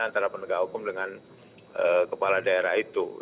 antara penegak hukum dengan kepala daerah itu